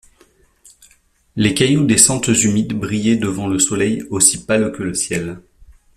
Les cailloux des sentes humides brillaient devant le soleil aussi pâle que le ciel.